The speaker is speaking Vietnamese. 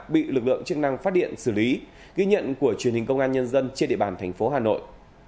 bị lực lượng chức năng phát điện xử lý ghi nhận của truyền hình công an nhân dân trên địa bàn thành phố hà nội